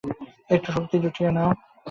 একটু শক্তি জুটিয়ে নাও।